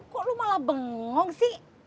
kok lo malah bengong sih